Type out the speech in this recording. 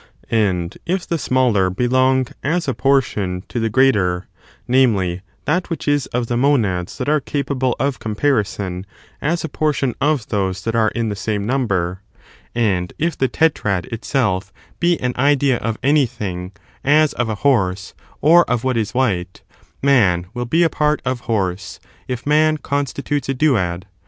And if the smaller ^ belong, as a portion, to the jj, xhe diffi greater — namely, that which is of the monads cuity of fixing that are capable of comparison as a portion of *^°*"^ "°f ^* those that are in the same number — and if the tetrad itself be an idea of anything, as of a horse or of what is white, man will be a part of horse, if man constitutes a duad.